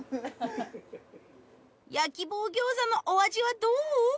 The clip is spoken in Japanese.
焼棒餃子のお味はどう？